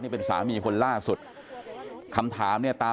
ไม่มีคำพูดที่จะมีกับเขา